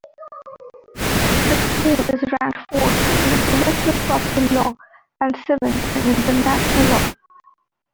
The school is ranked fourth in intellectual property law, and seventh in international law.